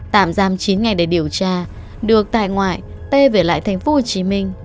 tạm giam chín ngày để điều tra được tại ngoại tê về lại tp hcm